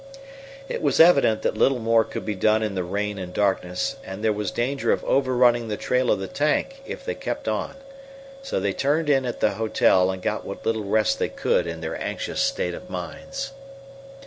It was evident that little more could be done in the rain and darkness, and there was danger of over running the trail of the tank if they kept on. So they turned in at the hotel and got what little rest they could in their anxious state of minds.